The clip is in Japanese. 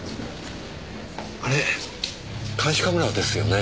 あれ監視カメラですよね？